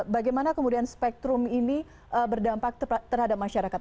bagaimana kemudian spektrum ini berdampak terhadap masyarakat